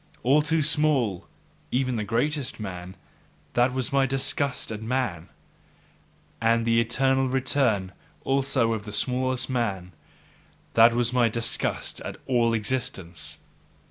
All too small, even the greatest man! that was my disgust at man! And the eternal return also of the smallest man! that was my disgust at all existence!